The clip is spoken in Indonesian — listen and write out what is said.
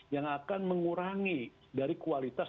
bahkan mengurangi dari kualitas